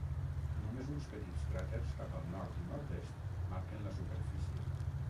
Només uns petits cràters cap al nord i nord-est marquen la superfície.